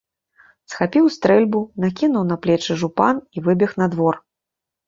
Схапіў стрэльбу, накінуў на плечы жупан і выбег на двор.